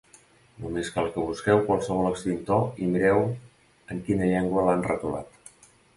Només cal que busqueu qualsevol extintor i mireu en quina llengua l'han retolat.